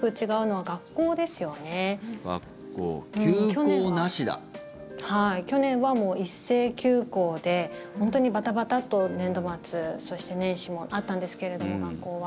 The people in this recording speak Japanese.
はい、去年は一斉休校で本当にバタバタッと、年度末そして年始もあったんですけれども、学校は。